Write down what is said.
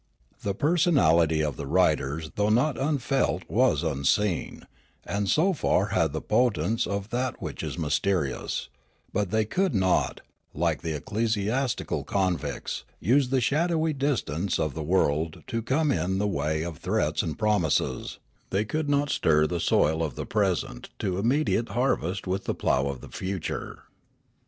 The personality of the writers though not unfelt was unseen, and so far had the potence of that which is mysterious ; but they could not, like the ecclesiastical convicts, use the shadowy distance of the world to come in the way of threats and promises ; they could not stir the soil of the present to immediate harvest with the plough of the future.